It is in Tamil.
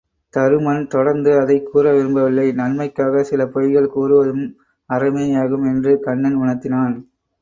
தருமன் தொடர்ந்து அதைக் கூற விரும்பவில்லை நன்மைக்காகச் சில பொய்கள் கூறுவதும் அறமே யாகும் என்று கண்ணன் உணர்த்தினான்.